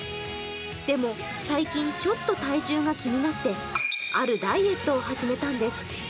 でも、最近ちょっと体重が気になって、あるダイエットを始めたんです。